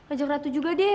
ajak ratu juga deh